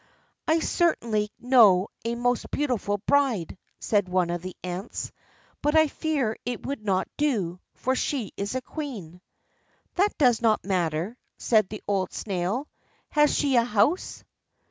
"I certainly know a most beautiful bride," said one of the ants; "but I fear it would not do, for she is a queen." "That does not matter," said the old snail. "Has she a house?"